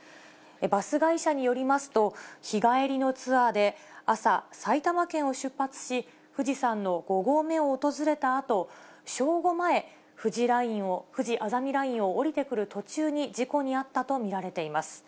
バス会社によりますと、日帰りのツアーで、朝、埼玉県を出発し、富士山の５合目を訪れたあと、正午前、ふじあざみラインを下りてくる途中に事故に遭ったと見られています。